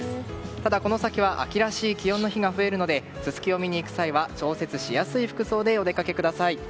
ただ、この先は秋らしい気温の日が増えるのでススキを見に行く際は調節しやすい服装でお出かけください。